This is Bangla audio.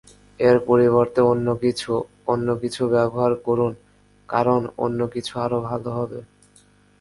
এর পরিবর্তে অন্য কিছু - অন্য কিছু - ব্যবহার করুন, কারণ অন্য কিছু আরও ভালো হবে।